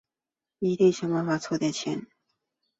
一定想办法先凑点钱